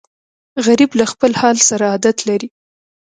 غریب له خپل حال سره عادت لري